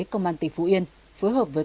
công an tỉnh phú yên phối hợp với